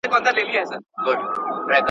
انا خپل لاسونه په ډېر سرعت له ماشوم لرې کړل.